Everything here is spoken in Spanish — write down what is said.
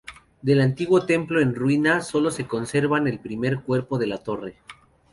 Del antiguo templo en ruina sólo se conserva el primer cuerpo de la torre.